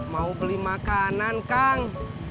mau beli makanan kang